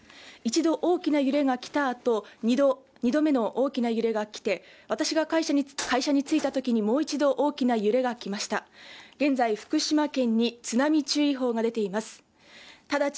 一度大きな揺れが来た後２度、２度目の大きな揺れが来て、私が会社に着いたときにもう一度大きな揺れがきました。